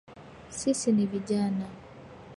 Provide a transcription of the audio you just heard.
Sisi ni vijana